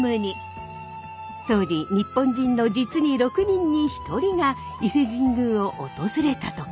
当時日本人の実に６人に１人が伊勢神宮を訪れたとか。